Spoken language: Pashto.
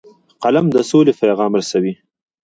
قلم د سولې پیغام رسوي